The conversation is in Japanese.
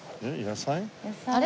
あれ？